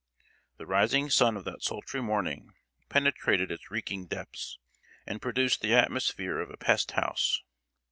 The rising sun of that sultry morning penetrated its reeking depths, and produced the atmosphere of a pest house.